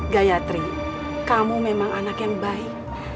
gayatri kamu memang anak yang baik